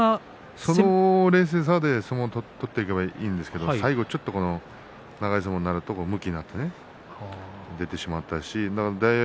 その冷静さで相撲を取っていけばいいんですがちょっと長い相撲になるとむきになって出てしまいました。